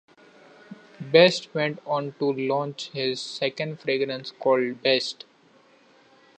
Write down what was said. Best went on to launch his second fragrance, called "Best".